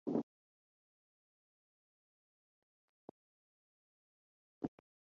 The couple live together in Los Angeles.